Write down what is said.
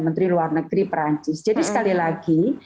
menteri luar negeri perancis jadi sekali lagi